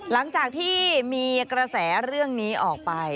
หลังจากที่มีกระแสเรื่องนี้ออกไป